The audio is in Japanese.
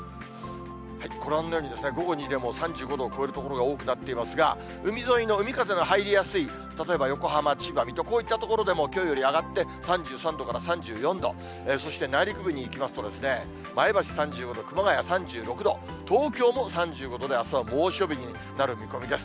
ご覧のように、午後にでも３５度を超えるような所が多くなっていますが、海沿いの、海風の入りやすい、例えば横浜、千葉、こういった所でもきょうより上がって３３度から３４度、そして内陸部にいきますと、前橋３５度、熊谷３６度、東京も３５度で、あすは猛暑日になる見込みです。